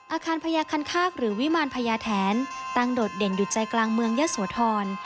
อาคารพญาคันคากหรือวิมารพญาแทนตั้งโดดเด่นอยู่ใจกลางเมืองยะโสธร